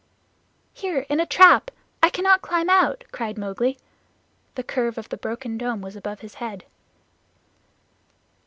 "Here, in a trap. I cannot climb out," cried Mowgli. The curve of the broken dome was above his head.